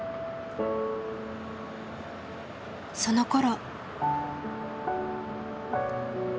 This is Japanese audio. そのころ。